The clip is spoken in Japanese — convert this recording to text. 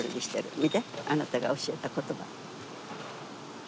見てあなたが教えた言葉。